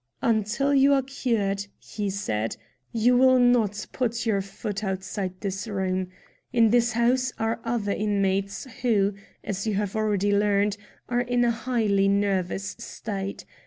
"Until you are cured," he said, "you will not put your foot outside this room. In this house are other inmates who, as you have already learned, are in a highly nervous state.